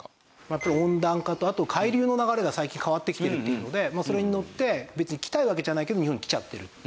やっぱり温暖化とあと海流の流れが最近変わってきてるというのでそれにのって別に来たいわけじゃないけど日本に来ちゃってる。